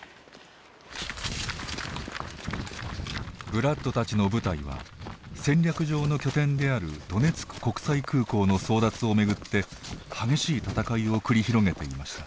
ブラッドたちの部隊は戦略上の拠点であるドネツク国際空港の争奪をめぐって激しい戦いを繰り広げていました。